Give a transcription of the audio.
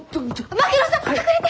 槙野さん隠れて！